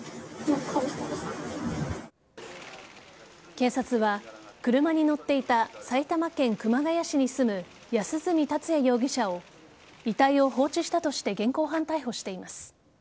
警察は、車に乗っていた埼玉県熊谷市に住む安栖達也容疑者を遺体を放置したとして現行犯逮捕しています。